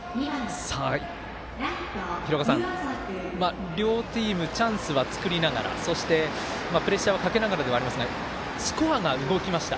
廣岡さん、両チームチャンスは作りながらそして、プレッシャーはかけながらではありますがスコアが動きました。